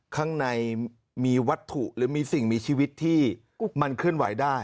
ข้างในมีวัตถุหรือมีสิ่งมีชีวิตที่มันเคลื่อนไหวได้